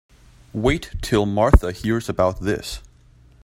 Wait till Martha hears about this.